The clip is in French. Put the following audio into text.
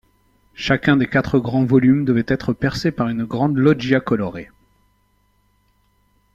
Chacun des quatre grands volumes devait être percé par une grande loggia colorée.